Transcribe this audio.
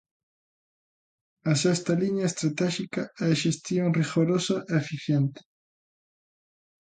A sexta liña estratéxica é a xestión rigorosa e eficiente.